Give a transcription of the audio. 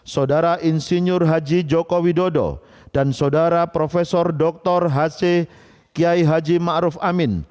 saudara insinyur haji joko widodo dan saudara prof dr h c kiai haji ma'ruf amin